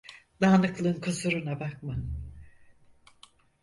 Dağınıklığın kusuruna bakma.